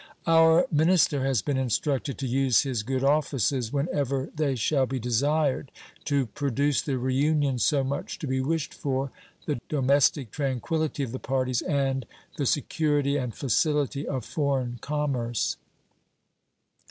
Our minister has been instructed to use his good offices, when ever they shall be desired, to produce the reunion so much to be wished for, the domestic tranquillity of the parties, and the security and facility of foreign commerce.